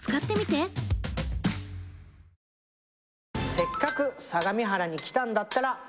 「せっかく相模原に来たんだったら」